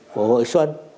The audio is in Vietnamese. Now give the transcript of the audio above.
của hội xuân